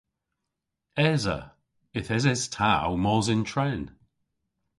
Esa. Yth eses ta ow mos yn tren.